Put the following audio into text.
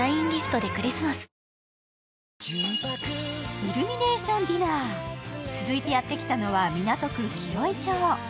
イルミネーションディナー、続いてやってきたのは港区紀尾井町。